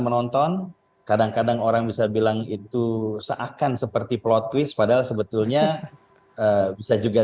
menonton kadang kadang orang bisa bilang itu seakan seperti plot twist padahal sebetulnya bisa juga